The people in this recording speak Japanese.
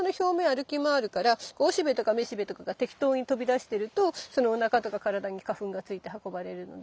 歩き回るからおしべとかめしべとかが適当に飛び出してるとそのおなかとか体に花粉が付いて運ばれるので。